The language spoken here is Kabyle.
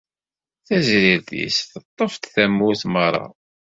Tazrirt-is teṭṭef-d tamurt merra.